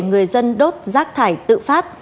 người dân đốt rác thải tự phát